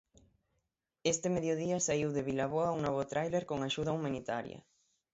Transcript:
Este mediodía saíu de Vilaboa un novo tráiler con axuda humanitaria.